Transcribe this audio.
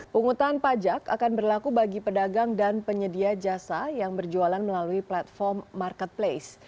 penghutan pajak akan berlaku bagi pedagang dan penyedia jasa yang berjualan melalui platform marketplace